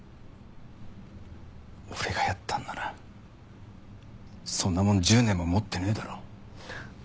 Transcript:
俺がやったんならそんなもん１０年も持ってねえだろ。